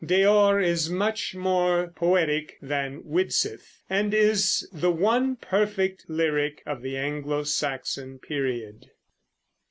"Deor" is much more poetic than "Widsith," and is the one perfect lyric of the Anglo Saxon period.